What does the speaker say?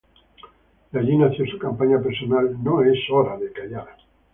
De allí nació su campaña personal "'No es hora de callar"'.